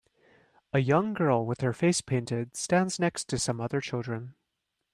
a young girl with her face painted stands next to some other children.